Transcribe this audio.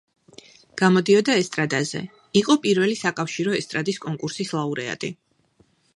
გამოდიოდა ესტრადაზე იყო პირველი საკავშირო ესტრადის კონკურსის ლაურეატი.